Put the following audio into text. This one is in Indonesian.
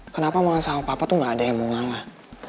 kenapa mengasah sama papa tuh gak ada yang mau ngalah